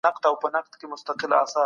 ولي بې تجربې سړی د واښو په شان دی؟